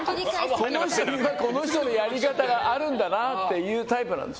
この人にはこの人のやり方があるんだなっていうタイプなので。